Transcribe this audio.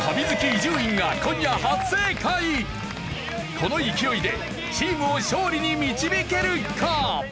この勢いでチームを勝利に導けるか？